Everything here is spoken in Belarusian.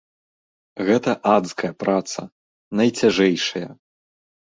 Гэта адская праца, найцяжэйшая!